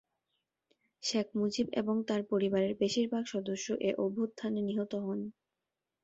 শেখ মুজিব এবং তার পরিবারের বেশিরভাগ সদস্য এ অভ্যুত্থানে নিহত হন।